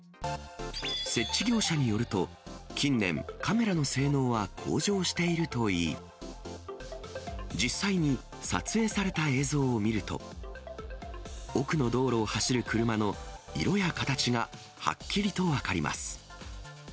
設置業者によると、近年、カメラの性能は向上しているといい、実際に撮影された映像を見ると、奥の道路を走る車の色や形がはっきりと分かります。